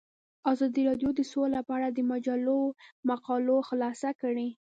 ازادي راډیو د سوله په اړه د مجلو مقالو خلاصه کړې.